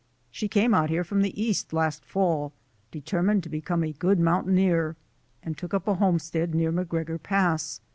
"She came out here from the East last fall determined to become a good mountaineer, and took up a homestead near MacGregor Pass.